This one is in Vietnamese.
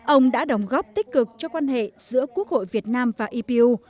ông đã đóng góp tích cực cho quan hệ giữa quốc hội việt nam và ipu